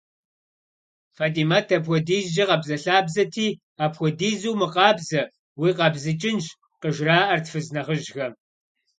Фэтимэт апхуэдизкӏэ къабзэлъабзэти, «апхуэдизу умыкъабзэ, уикъабзыкӏынщ» къыжраӏэрт фыз нэхъыжьхэм.